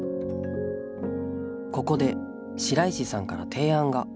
ここで白石さんから提案が。